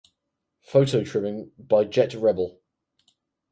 Photo trimming by Jett Rebel.